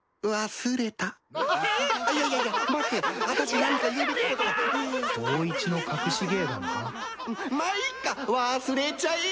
忘れちゃえ！